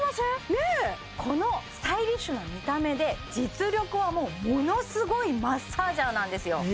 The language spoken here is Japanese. ねえこのスタイリッシュな見た目で実力はもうものすごいマッサージャーなんですよ